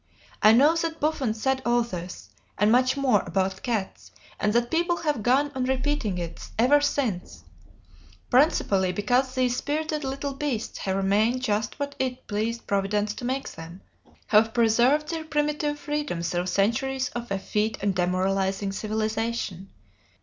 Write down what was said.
I know that Buffon said all this, and much more, about cats, and that people have gone on repeating it ever since, principally because these spirited little beasts have remained just what it pleased Providence to make them, have preserved their primitive freedom through centuries of effete and demoralizing civilization.